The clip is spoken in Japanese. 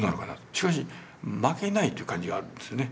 しかし負けないという感じがあるんですよね。